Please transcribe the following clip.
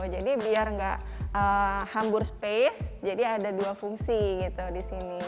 jadi biar nggak hambur space jadi ada dua fungsi gitu di sini